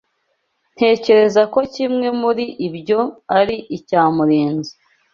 Ntekereza ko kimwe muri ibyo ari icya Murinzi.